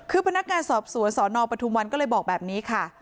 คือพนักงานสอบสวนสนปทุมวันก็เลยบอกแบบนี้ค่ะ